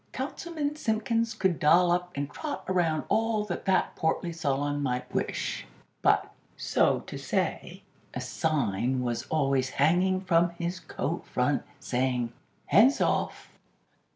Councilman Simpkins could doll up and trot around all that that portly Solon might wish; but, so to say, a sign was always hanging from his coat front, saying: "HANDS OFF!!"